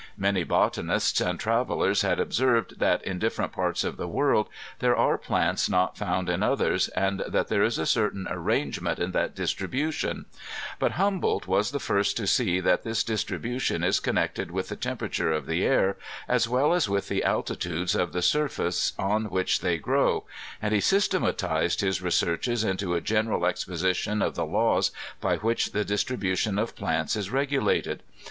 Many botanists and travellers had observed that in different parts of the world there are plants not found in others, and that there is a certain arrangement in that distribution; but Hum* boldt was the first to see that this distribution is connected with the temperature of the air as well as with the altitudes of the surface on which they grow, and he systematized his researches into a general exposition of the laws by which the distribution of plants is regulated.